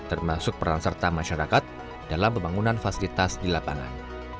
termasuk peran serta masyarakat dalam pembangunan fasilitas di lapangan